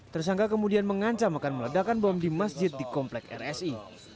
tersangka kemudian mengancam akan meledakan bom di masjid di komplek rsi